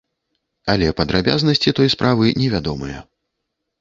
Але падрабязнасці той справы невядомыя.